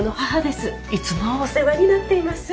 いつもお世話になっています。